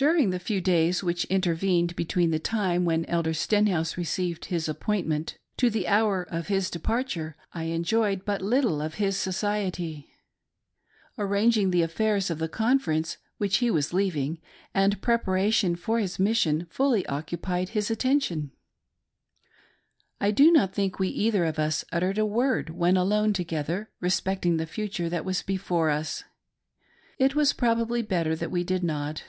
During the few days which intervened between the time when Elder Stenhouse received his appointment, to the hour of his departure, I enjoyed but little of his society. Arrang ,: ing the affairs of the conference which he was leaving, and preparation for his mission, fully occupied his attention. I do riot think we either of us uttered a word, when alone together, respecting the future that was before us. It was probably better that we did not.